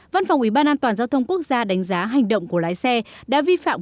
văn phòng ủy ban an toàn giao thông quốc gia đánh giá hành động của lái xe đã vi phạm